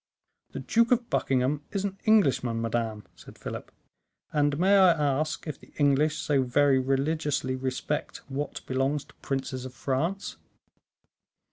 "The Duke of Buckingham is an Englishman, madame," said Philip, "and may I ask if the English so very religiously respect what belongs to princes of France?"